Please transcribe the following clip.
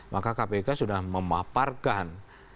maka kpk sudah memaparkan